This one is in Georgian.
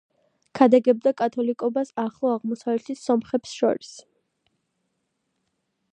ქადაგებდა კათოლიკობას ახლო აღმოსავლეთის სომხებს შორის.